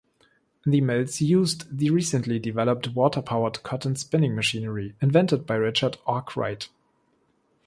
The mills used the recently developed water-powered cotton spinning machinery invented by Richard Arkwright.